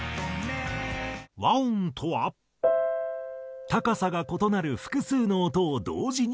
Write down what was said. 和音とは高さが異なる複数の音を同時に弾く事。